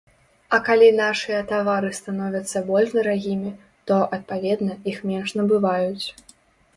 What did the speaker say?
А калі нашыя тавары становяцца больш дарагімі, то, адпаведна, іх менш набываюць.